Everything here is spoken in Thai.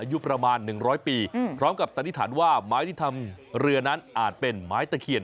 อายุประมาณ๑๐๐ปีพร้อมกับสันนิษฐานว่าไม้ที่ทำเรือนั้นอาจเป็นไม้ตะเคียน